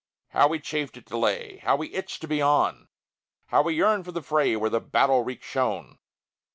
How we chafed at delay! How we itched to be on! How we yearned for the fray where the battle reek shone!